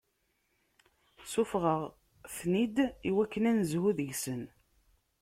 Ssufeɣ-aɣ-ten-id iwakken ad n-nezhu deg-sen.